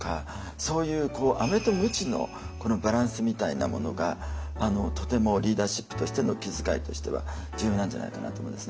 そういうアメとムチのこのバランスみたいなものがとてもリーダーシップとしての気遣いとしては重要なんじゃないかなと思うんですね。